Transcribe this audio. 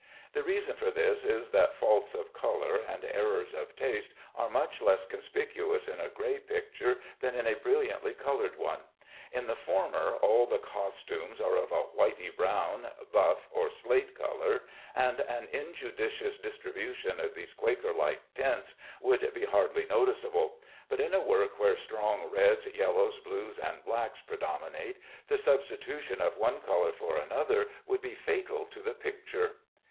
The reason for this is that faults of color and errors of taste are much less conspicuous in a gray picture than in a brilliantly colored one. In the former all the costumes are of a whitey brown, buff, or slate color, and an injudicious distribution of these Quaker like tints would be hardly noticeable; but in a work where strong reds, yellows, blues, and blacks predominate, the substitution of one color for another would be fatal to the picture.